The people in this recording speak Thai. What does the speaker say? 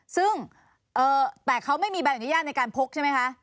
ซึ่งแต่เขาไม่มีใบอนุญาตในการพกใช่ไหมคะ